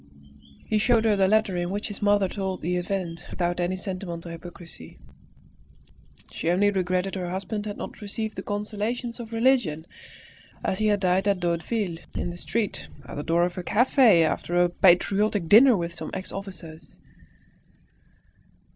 He showed her the letter in which his mother told the event without any sentimental hypocrisy. She only regretted her husband had not received the consolations of religion, as he had died at Daudeville, in the street, at the door of a cafe after a patriotic dinner with some ex officers.